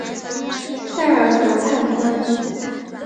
塞尔河畔宽。